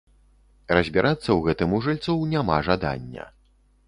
Разбірацца ў гэтым у жыльцоў няма жадання.